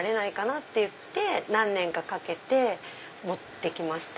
っていって何年かかけて持って来ました。